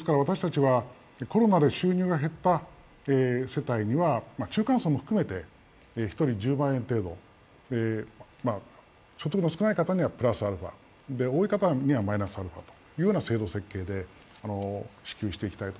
コロナで収入が減った世帯には中間層も含めて一人１０万円程度所得の少ない方にはプラスアルファ、多い方にはマイナスアルファという感じで支給していきたいと。